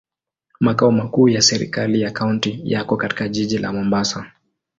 Makao makuu ya serikali ya kaunti yako katika jiji la Mombasa.